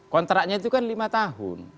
kontraknya itu kan lima tahun